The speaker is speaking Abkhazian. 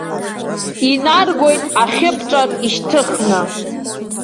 Инаргоит ахьыбҿар ишьҭыхны.